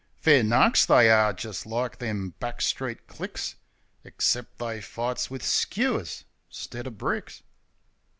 Fair narks they are, jist like them back street clicks, Ixcep' they fights wiv skewers 'stid o' bricks.